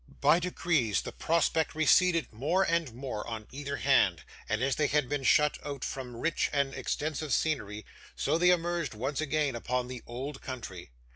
By degrees, the prospect receded more and more on either hand, and as they had been shut out from rich and extensive scenery, so they emerged once again upon the open country.